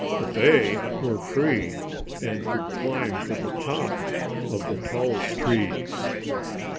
But they were free, and could climb to the tops of the tallest trees.